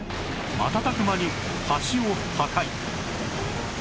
瞬く間に橋を破壊